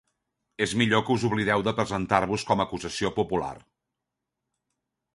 És millor que us oblideu de presentar-vos com a acusació popular.